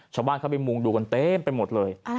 ชาวบ้านเข้าไปมุงดูกันเต็มไปหมดเลย